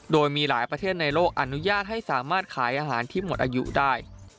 โดยมีหลายประเทศในโลกอนุญาตให้สามารถขายอาหารที่หมดอายุได้